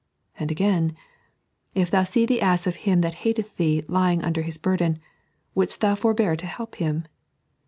And again :" If thou aee the ass of him that hateth thee lying under his burden, wouldat thou forbear to help him